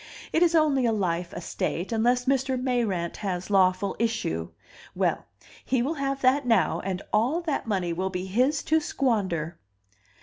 It is only a life estate, unless Mr. Mayrant has lawful issue. Well, he will have that now, and all that money will be his to squander."